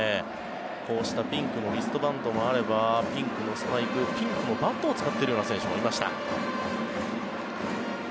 こうしたピンクのリストバンドもあればピンクのスパイクピンクのバットを使っているような選手もいました。